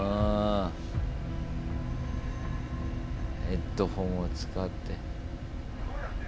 ヘッドホンを使って。